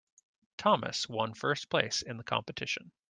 Thomas one first place in the competition.